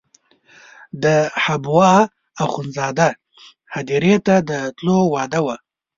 د حبوا اخندزاده هدیرې ته د تلو وعده وه.